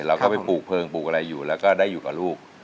เราก็ไปปลูกเพลิงปลูกอะไรอยู่แล้วก็ได้อยู่กับลูก